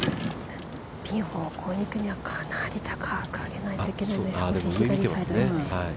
ピン方向に行くにはかなり高く上げないといけない少し右方向ですね。